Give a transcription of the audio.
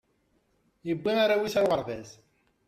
iwwi arraw is ar uɣerbaz